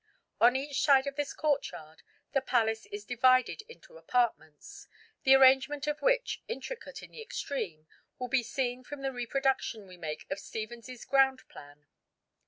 On each side of this courtyard the palace is divided into apartments, the arrangement of which, intricate in the extreme, will be seen from the reproduction we make of Stephens's ground plan.